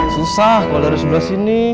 susah kalau dari sebelah sini